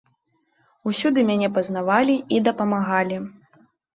Усюды мяне пазнавалі і дапамагалі.